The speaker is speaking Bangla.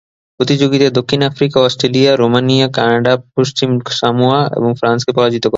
প্রতিযোগিতায় দক্ষিণ আফ্রিকা অস্ট্রেলিয়া, রোমানিয়া, কানাডা, পশ্চিম সামোয়া ও ফ্রান্সকে পরাজিত করে।